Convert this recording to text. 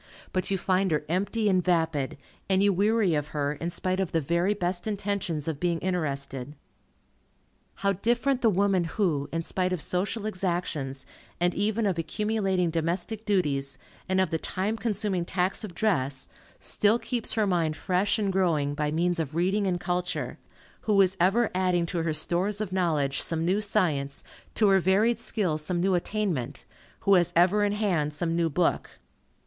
But you find her empty and vapid, and you weary of her, in spite of the very best intentions of being interested. How different the woman who, in spite of social exactions, and even of accumulating domestic duties, and of the time consuming tax of dress, still keeps her mind fresh and growing, by means of reading and culture, who is ever adding to her stores of knowledge some new science, to her varied skill some new attainment, who has ever in hand some new book.